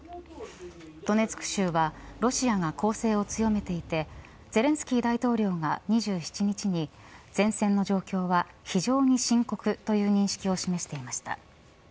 ドネツク州はロシアが攻勢を強めていてゼレンスキー大統領が２７日に前線の状況は非常に深刻という認識を示していました。